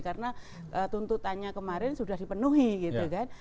karena tuntutannya kemarin sudah dipenuhi gitu kan